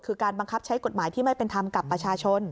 คือการบังคับใช้กฎหมายที่ไม่เป็นธรรมกับประชาชน